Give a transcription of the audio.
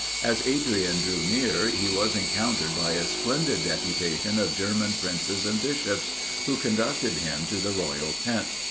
As Adrian drew near, he was encountered by a splendid deputation of German princes and bishops, who conducted him to the royal tent.